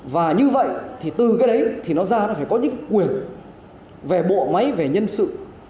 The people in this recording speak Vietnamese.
và như vậy thì từ cái đấy thì nó ra nó phải có những quyền về bộ máy về nhân sự